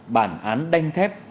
bản án đanh thép